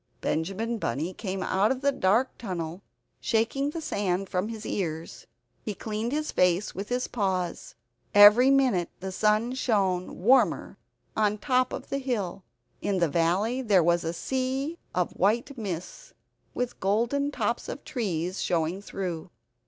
Benjamin Bunny came out of the dark tunnel shaking the sand from his ears; he cleaned his face with his paws. Every minute the sun shone warmer on the top of the hill. In the valley there was a sea of white mist, with golden tops of trees showing through.